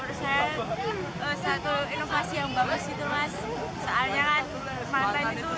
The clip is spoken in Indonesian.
menurut saya satu inovasi yang bagus itu mas soalnya kan mantan itu